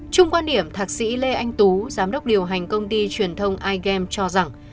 trung quan điểm thạc sĩ lê anh tú giám đốc điều hành công ty truyền thông igem cho rằng